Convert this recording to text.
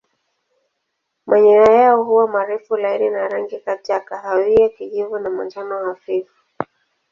Manyoya yao huwa marefu laini na rangi kati ya kahawia kijivu na manjano hafifu.